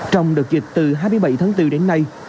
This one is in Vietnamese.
trong đợt dịch từ hai mươi bảy tháng bốn đến nay